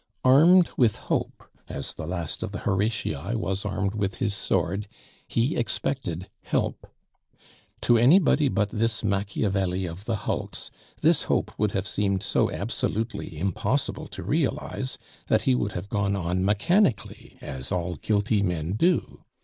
Armed with hope, as the last of the Horatii was armed with his sword, he expected help. To anybody but this Machiavelli of the hulks, this hope would have seemed so absolutely impossible to realize that he would have gone on mechanically, as all guilty men do.